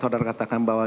saudara katakan bahwa